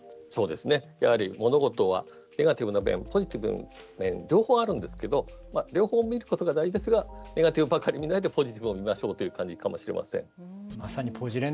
物事はネガティブな面ポジティブな面と両方あるんですけど両方見ることが大切でネガティブばかり見ないでポジティブも見ましょうという感じかもしれません。